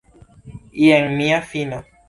Jen mia fino!